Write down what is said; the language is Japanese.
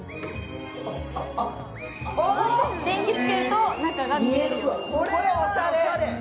電気つけると、中が見える。